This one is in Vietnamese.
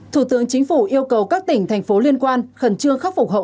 thủ tướng chính phủ yêu cầu các tỉnh thành phố liên quan khẩn trương khắc phục hậu quả